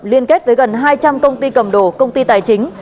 liên kết với gần hai trăm linh công ty cầm đồ công ty tài chính